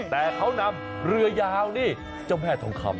แต่เขานำเรือยาวนี่เจ้าแม่ทองคำ